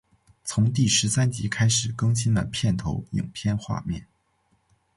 从第十三集开始更新了片头影片画面。